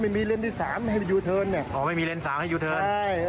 ไม่มีเลนส์ที่สามให้ยูเทิร์นอ๋อไม่มีเลนส์สามให้ยูเทิร์นใช่